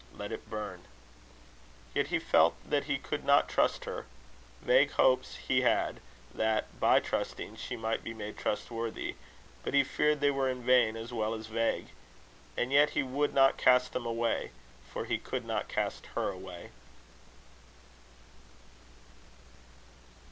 Let it burn. Yet he felt that he could not trust her. Vague hopes he had, that, by trusting, she might be made trustworthy; but he feared they were vain as well as vague. And yet he would not cast them away, for he could not cast her away.